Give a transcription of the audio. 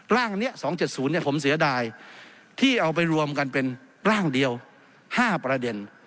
ร่างนี้๒๗๐ผมเสียดายที่เอาไปรวมกันเป็นร่างเดียว๕ประเด็น